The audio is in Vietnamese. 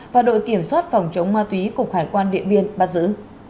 và đội kiểm soát phòng chống ma túy cùng khải quan địa biên bắt giữ